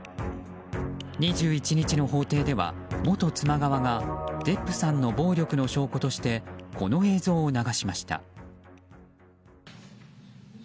２１日の法廷では、元妻側がデップさんの暴力の証拠としてこの映像を流しました。